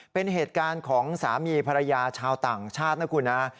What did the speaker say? เป็นเหตุการณ์ของสามีภรรยาชาวต่างชาตินะคุณนะ